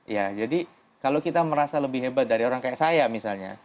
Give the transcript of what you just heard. ya jadi kalau kita merasa lebih hebat dari orang kayak saya misalnya